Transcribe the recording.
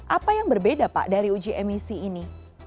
apa yang berbeda pak dari uji emisi ini